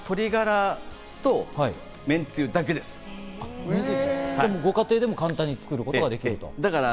あとはめんつゆご家庭でも簡単に作ることができる。